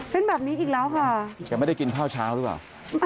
เป็นแบบนี้อีกแล้วค่ะแกไม่ได้กินข้าวเช้าหรือเปล่า